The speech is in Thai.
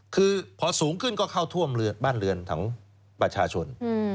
คือพอสูงขึ้นก็เข้าท่วมบ้านเรือนของประชาชน